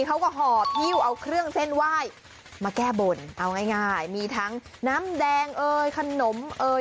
เขาก็ห่อหิ้วเอาเครื่องเส้นไหว้มาแก้บนเอาง่ายมีทั้งน้ำแดงเอ่ยขนมเอ่ย